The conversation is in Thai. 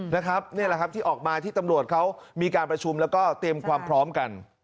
นี่แหละครับที่ออกมาที่ตำรวจเขามีการประชุมแล้วก็เตรียมความพร้อมกัน